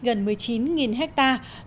gần một mươi chín hectare